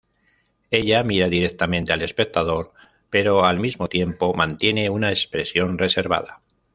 Ella mira directamente al espectador, pero al mismo tiempo mantiene una expresión reservada.